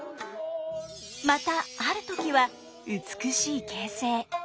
またある時は美しい傾城。